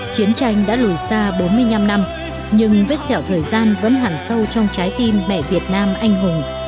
chiến tranh đã lùi xa bốn mươi năm năm nhưng vết dẻo thời gian vẫn hẳn sâu trong trái tim mẹ việt nam anh hùng